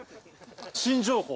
・新情報。